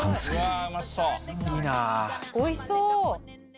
曽根：おいしそう！